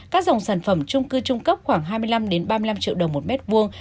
các dòng sản phẩm trung cư trung cấp khoảng hai mươi năm ba mươi năm triệu đồng một mét vuông